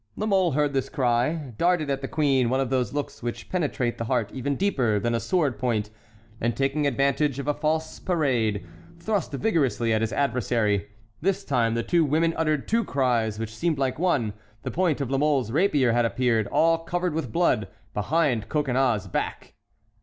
La Mole heard this cry, darted at the queen one of those looks which penetrate the heart even deeper than a sword point, and taking advantage of a false parade, thrust vigorously at his adversary. This time the two women uttered two cries which seemed like one. The point of La Mole's rapier had appeared, all covered with blood, behind Coconnas's back.